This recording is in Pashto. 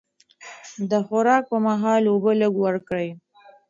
د خوراک پر مهال اوبه لږ ورکړئ.